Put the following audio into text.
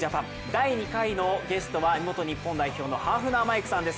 第２回のゲストは元日本代表のハーフナー・マイクさんです。